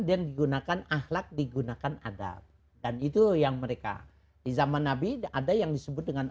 digunakan ahlak digunakan adab dan itu yang mereka di zaman nabi ada yang disebut dengan